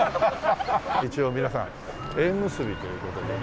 一応皆さん縁結びという事でね独身の人。